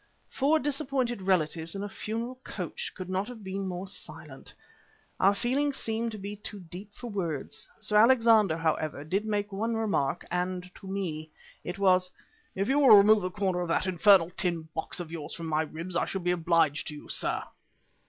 Four disappointed relatives in a funeral coach could not have been more silent. Our feelings seemed to be too deep for words. Sir Alexander, however, did make one remark and to me. It was: "If you will remove the corner of that infernal tin box of yours from my ribs I shall be obliged to you, sir."